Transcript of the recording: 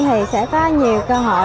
thì sẽ có nhiều cơ hội